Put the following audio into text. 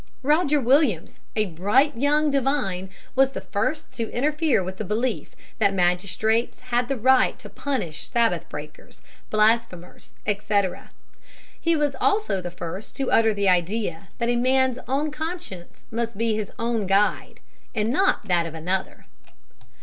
Roger Williams, a bright young divine, was the first to interfere with the belief that magistrates had the right to punish Sabbath breakers, blasphemers, etc. He also was the first to utter the idea that a man's own conscience must be his own guide and not that of another. [Illustration: SABBATH BREAKER ARRESTER.